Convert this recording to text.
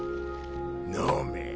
飲め。